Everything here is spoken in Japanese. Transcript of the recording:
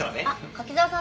柿沢さん